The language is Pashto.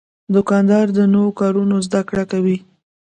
دوکاندار د نوو کارونو زدهکړه کوي.